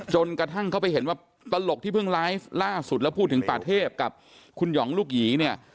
กระทั่งเขาไปเห็นว่าตลกที่เพิ่งไลฟ์ล่าสุดแล้วพูดถึงป่าเทพกับคุณหองลูกหยีเนี่ย